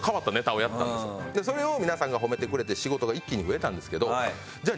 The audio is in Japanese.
それを皆さんが褒めてくれて仕事が一気に増えたんですけどじゃあ